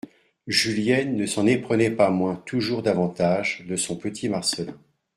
Julienne ne s'en éprenait pas moins toujours davantage de «son petit Marcelin».